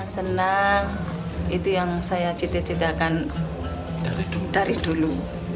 senang itu yang saya cita citakan dari dulu